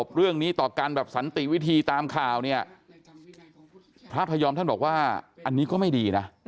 พระพยศรภาพยอมท่านบอกว่าอันนี้ก็ไม่ดีนะ